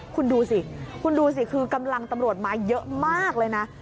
คุณดูสิคุณดูสิคือกำลังตำรวจมาเยอะมากเลยนะ